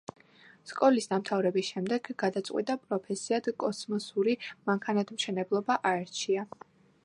სკოლის დამთავრების შემდეგ გადაწყვიტა პროფესიად კოსმოსური მანქანათმშენებლობა აერჩია.